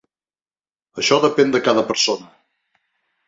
Això depèn de cada persona.